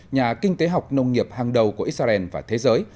nhà kinh tế học nông nghiệp hàng đầu của israel và thế giới